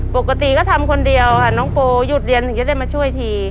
ปกติก็ทำคนเดียวค่ะน้องโปหยุดเรียนถึงจะได้มาช่วยที